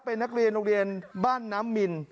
เป็นนักเรียนโรงเรียนบ้านน้ำมิน